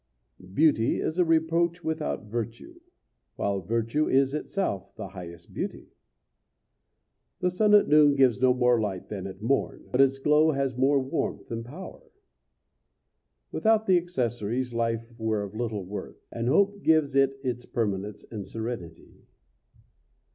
Beauty is a reproach without virtue, while virtue is itself the highest beauty. The sun at noon gives no more light than at morn, but its glow has more warmth and power. Without the accessories life were of little worth, and hope gives it its permanence and serenity.